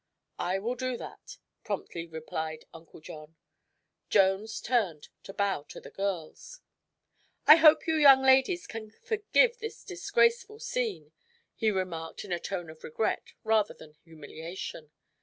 "I will do that," promptly replied Uncle John. Jones turned to bow to the girls. "I hope you young ladies can forgive this disgraceful scene," he remarked in a tone of regret rather then humiliation.